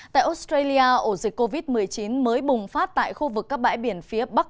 tại australia ổ dịch covid một mươi chín mới bùng phát tại khu vực các bãi biển phía bắc